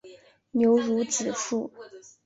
牛乳子树